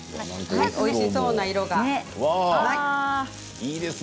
おいしそうな色が。